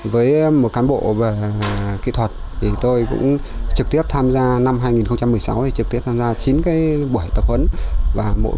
với một cán bộ kỹ thuật tôi cũng trực tiếp tham gia năm hai nghìn một mươi sáu trực tiếp tham gia chín buổi tập huấn